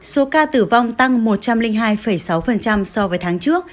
số ca tử vong tăng một trăm linh hai sáu so với tháng trước